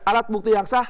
alat bukti yang sah